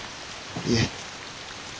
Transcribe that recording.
いえ。